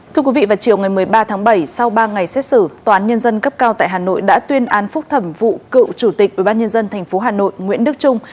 thưa quý vị vào chiều ngày một mươi ba tháng bảy sau ba ngày xét xử tòa án nhân dân cấp cao tại hà nội đã tuyên án phúc thẩm vụ cựu chủ tịch ubnd tp hà nội nguyễn đức trung